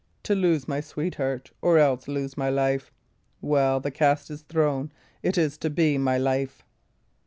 to lose my sweetheart or else lose my life! Well, the cast is thrown it is to be my life."